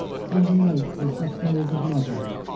It was a note from Shoustova's mother.